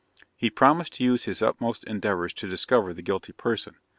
He promised to use his utmost endeavours to discover the guilty person.